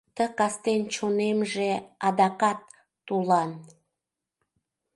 Ты кастен чонемже Адакат тулан.